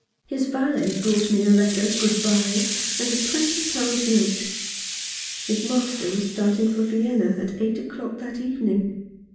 His valet brought me a letter — good bye — and a twenty pound note. His master was starting for Vienna at eight o'clock that evening.